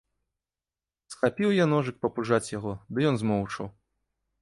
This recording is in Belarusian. Схапіў я ножык папужаць яго, ды ён змоўчаў.